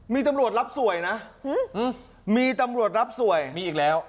มีตำรวจรับสวยนะมีตำรวจรับสวยมีอีกแล้ว